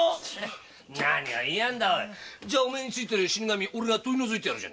じゃあお前に憑いてる死神俺が取り除いてやるよ。